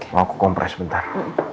mau aku kompres bentar